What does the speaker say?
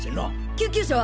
救急車は？